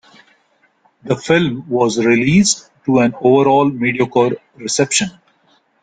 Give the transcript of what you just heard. The film was released to an overall mediocre reception.